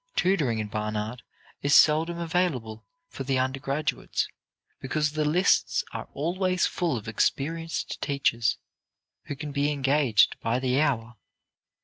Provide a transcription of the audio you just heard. Tutoring in Barnard is seldom available for the undergraduates, because the lists are always full of experienced teachers, who can be engaged by the hour.